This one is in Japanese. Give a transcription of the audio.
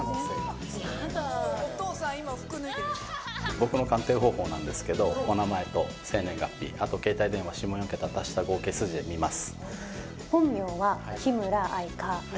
僕の鑑定方法ですけどお名前と生年月日あと携帯電話下４桁足した合計数字で見ます。